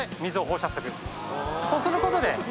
そうすることで。